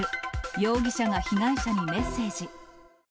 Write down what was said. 容疑者が被害者にメッセージ。